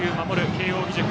慶応義塾。